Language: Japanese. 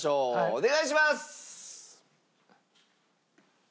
お願いします！